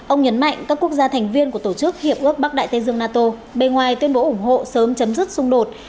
ông nhấn mạnh các quốc gia thành viên của tổ chức hiệp ước bắc đại tây dương nato bề ngoài tuyên bố ủng hộ sớm chấm dứt xung đột